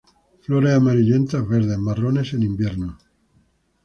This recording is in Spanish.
Flores amarillentas verdes, marrones en invierno.